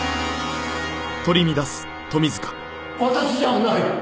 私じゃない！